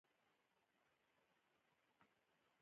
په بدو کي د ښځو ورکولو دود د شخړو د حل لپاره کارول کيږي.